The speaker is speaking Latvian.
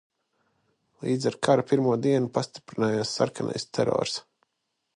Līdz ar kara pirmo dienu pastiprinājās sarkanais terors.